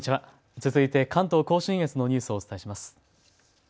続いて関東甲信越のニュースをお伝えします。